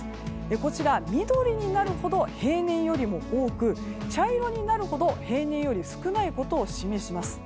こちら、緑になるほど平年よりも多く茶色になるほど平年より少ないことを示します。